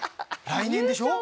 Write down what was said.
来年でしょ？